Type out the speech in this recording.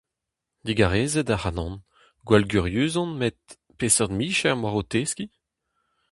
Digarezit ac'hanon, gwall gurius on, met peseurt micher emaoc'h o teskiñ ?